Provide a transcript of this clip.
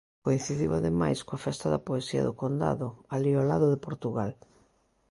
Coincidiu ademais coa Festa da Poesía do Condado, alí ao lado de Portugal.